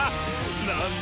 なんだ！